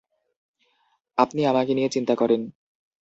আপনি আমাকে নিয়ে চিন্তা করেন।